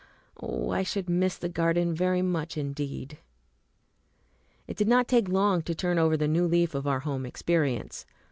Oh, I should miss the garden very much indeed! It did not take long to turn over the new leaf of our home experience.